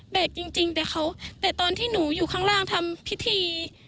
แบกจริงแต่ตอนที่หนูอยู่ข้างล่างทำพิธี